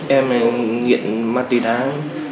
em là nghiện ma túy đáng